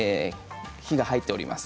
火が入っております。